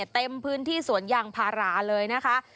เต็มพื้นที่สวนยางพาราเลยนะคะ